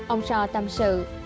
ông so tâm sự